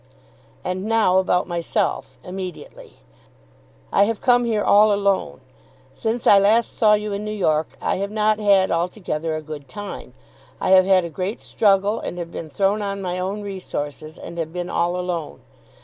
And now about myself, immediately. I have come here all alone. Since I last saw you in New York I have not had altogether a good time. I have had a great struggle and have been thrown on my own resources and have been all alone.